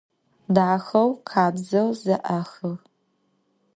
Daxeu, khabzeu ze'exığ.